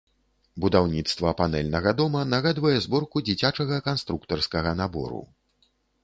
Будаўніцтва панэльнага дома нагадвае зборку дзіцячага канструктарскага набору.